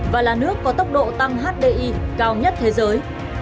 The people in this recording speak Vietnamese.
và là nước có tốc độ tăng hdi cao nhất thế giới